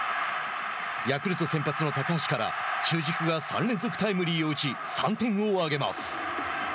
ヤクルト先発の高橋から中軸が３連続タイムリーを打ち３点を挙げます。